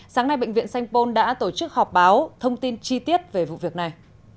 sáng nay bệnh viện sanh pôn đã tổ chức họp báo thông tin chi tiết về vụ việc này